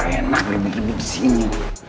enak enak ribu ribu di sini